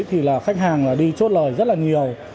thì là khách hàng đi chốt lời rất là nhiều